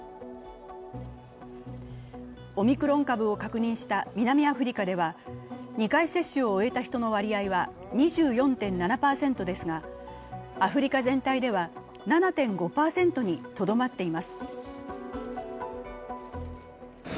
オミクロン株を確認した南アフリカでは２回接種を終えた人の割合は２４．７％ですが、アフリカ全体では７．５％にとどまっています。